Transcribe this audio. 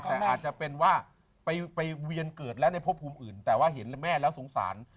แต่อาจจะเป็นว่าไปเวียนเกิดแล้วในพบภูมิอื่นแต่ว่าเห็นแม่แล้วสงสาร